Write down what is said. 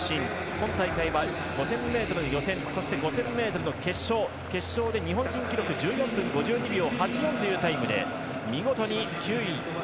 今大会は５０００ｍの予選そして、５０００ｍの決勝で日本新記録の１４分５２秒８４というタイムで見事に９位。